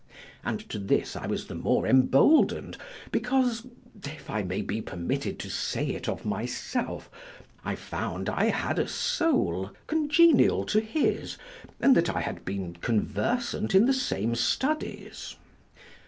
And to this I was the more embolden'd, because (if I may be permitted to say it of myself) I found I had a soul congenial to his, and that I had been conversant in the same studies.